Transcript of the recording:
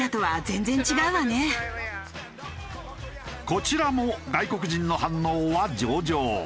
こちらも外国人の反応は上々。